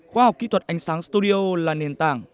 khoa học kỹ thuật ánh sáng studio là nền tảng